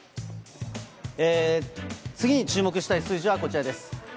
次に注目したい数字はこちらです。